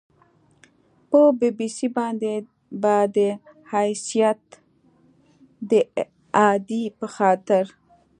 په بي بي سي باندې به د حیثیت د اعادې په خاطر